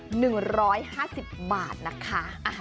ส่วนกระเทียมไทยแกะกลีบอยู่ที่๑๕๐บาท